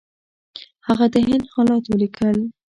هغه د هند حالات ولیکل.